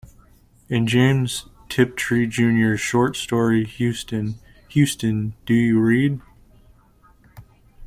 In James Tiptree Junior's short story Houston, Houston, Do You Read?